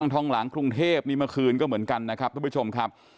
ทองหลังกรุงเทพนี่เมื่อคืนก็เหมือนกันนะครับทุกผู้ชมครับ